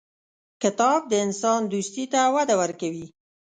کتاب د انسان دوستي ته وده ورکوي.